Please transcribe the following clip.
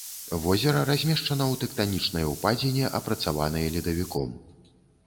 Возера размешчана ў тэктанічнай упадзіне, апрацаванай ледавіком.